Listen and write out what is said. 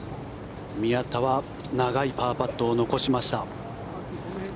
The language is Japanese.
宮田は長いパーパットを残しました。